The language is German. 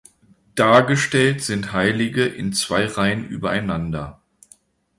Dargestellt sind Heilige in zwei Reihen übereinander.